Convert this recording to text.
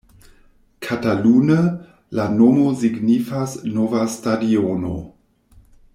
Katalune, la nomo signifas nova stadiono.